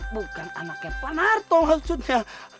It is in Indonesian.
bukan anaknya pak narto maksudnya